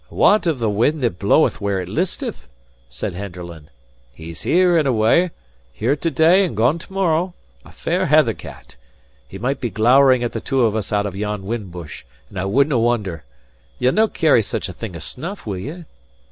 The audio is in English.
"What of the wind that bloweth where it listeth?" said Henderland. "He's here and awa; here to day and gone to morrow: a fair heather cat. He might be glowering at the two of us out of yon whin bush, and I wouldnae wonder! Ye'll no carry such a thing as snuff, will ye?"